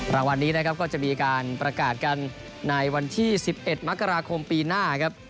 รางวัลนี้นะครับก็จะมีการประกาศกันในวันที่๑๑มกราคมปีหน้าครับ